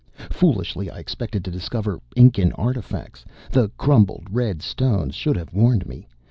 Foolishly, I expected to discover Incan artifacts. The crumbled red stones should have warned me.